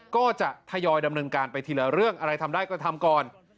ก็จะทยอยดำเนินการไปทีละเรื่องอะไรทำได้ก็ทำก่อน